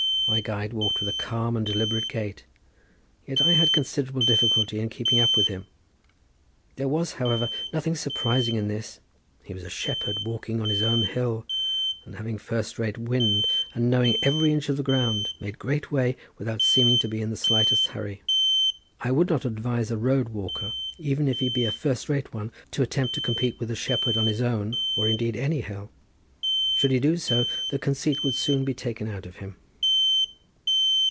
My guide walked with a calm and deliberate gait, yet I had considerable difficulty in keeping up with him. There was, however, nothing surprising in this; he was a shepherd walking on his own hill, and having first rate wind, and knowing every inch of the ground, made great way without seeming to be in the slightest hurry: I would not advise a road walker, even if he be a first rate one, to attempt to compete with a shepherd on his own, or indeed any hill; should he do so, the conceit would soon be taken out of him.